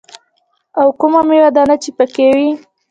او کومه ميوه دانه چې پکښې وي.